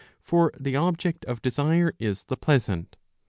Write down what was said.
For the object of desire is the pleasant.